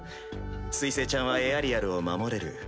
水星ちゃんはエアリアルを守れる。